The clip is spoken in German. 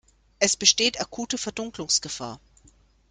Es besteht akute Verdunkelungsgefahr.